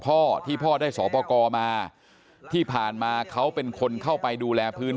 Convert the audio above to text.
พ่อที่พ่อได้สอปกรมาที่ผ่านมาเขาเป็นคนเข้าไปดูแลพื้น